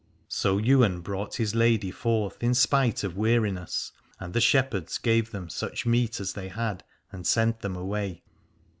So Ywain brought his lady forth in spite of weariness, and the shepherds gave them such meat as they had, and sent them away.